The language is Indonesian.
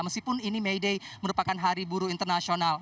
meskipun ini may day merupakan hari buruh internasional